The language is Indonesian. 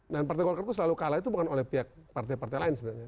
dan partai golkar itu selalu kalah itu bukan oleh pihak partai partai lain sebenarnya